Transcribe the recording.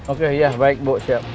oke ya baik bu siap